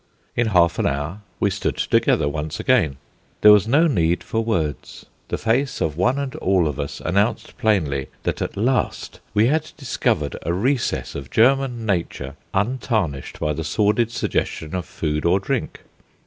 In half an hour we stood together once again. There was no need for words. The face of one and all of us announced plainly that at last we had discovered a recess of German nature untarnished by the sordid suggestion of food or drink.